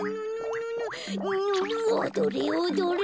おどれおどれ！